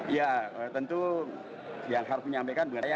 ya tentu yang harus menyampaikan benar ya